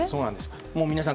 皆さん